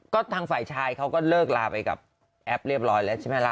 ก็ทางฝ่ายชายเขาก็เลิกลาไปกับแอปเรียบร้อยแล้วใช่ไหมล่ะ